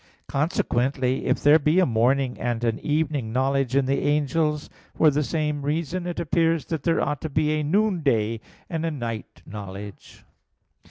Consequently, if there be a morning and an evening knowledge in the angels, for the same reason it appears that there ought to be a noonday and a night knowledge.